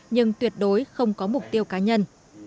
nhưng tuyệt đối không có mục tiêu cá nhân